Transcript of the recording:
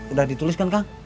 udah ditulis kan kang